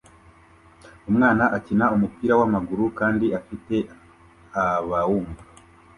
Umwana akina umupira wamaguru kandi afite abamwumva